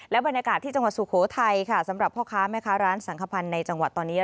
บรรยากาศที่จังหวัดสุโขทัยค่ะสำหรับพ่อค้าแม่ค้าร้านสังขพันธ์ในจังหวัดตอนนี้